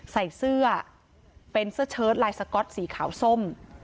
ใส่เสื้อเป็นเสื้อเชิดลายสก๊อตสีขาวส้ม